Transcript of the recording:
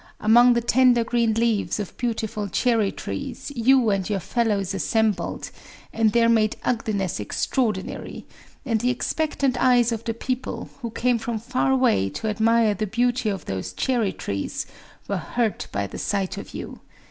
Among the tender green leaves of beautiful cherry trees you and your fellows assembled, and there made ugliness extraordinary; and the expectant eyes of the people, who came from far away to admire the beauty of those cherry trees, were hurt by the sight of you.